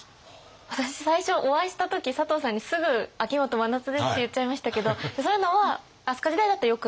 私最初お会いした時佐藤さんにすぐ「秋元真夏です」って言っちゃいましたけどそういうのは飛鳥時代だとよくない。